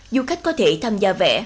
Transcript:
du khách có thể tham gia vẽ